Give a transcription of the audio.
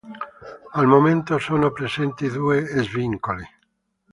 Al momento sono presenti due svincoli.